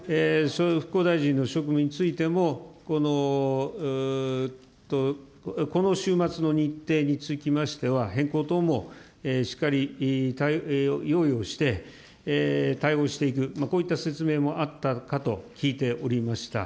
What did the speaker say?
復興大臣の職務についても、この週末の日程につきましては、変更等もしっかり用意をして、対応していく、こういった説明もあったかと聞いておりました。